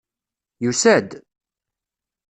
Yusa-d!